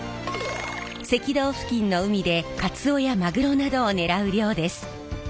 赤道付近の海でカツオやマグロなどを狙う漁です。